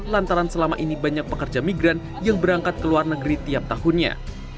lantaran selama ini banyak pekerja migran yang berangkat ke luar negeri tiap tahunnya